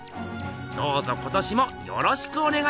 どうぞ今年もよろしくおねがいします！